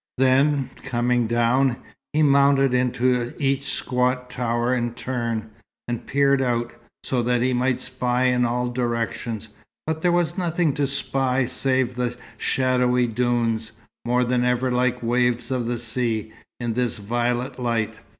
Then, coming down, he mounted into each squat tower in turn, and peered out, so that he might spy in all directions, but there was nothing to spy save the shadowy dunes, more than ever like waves of the sea, in this violet light.